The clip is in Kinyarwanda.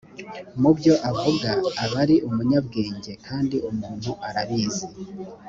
mu byo avuga aba ari umunyabwenge kandi umuntu arabizi